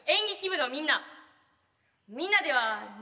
みんなではないけど。